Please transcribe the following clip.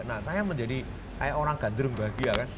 nah saya menjadi kayak orang gandrung bahagia kan